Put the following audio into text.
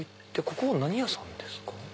ここは何屋さんですか？